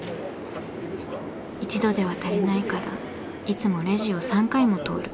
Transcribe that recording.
１度では足りないからいつもレジを３回も通る。